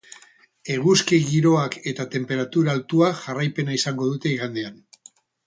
Eguzki giroak eta tenperatura altuak jarraipena izango dute igandean.